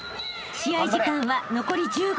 試合時間は残り１５秒］